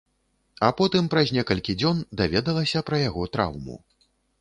А потым праз некалькі дзён даведалася пра яго траўму.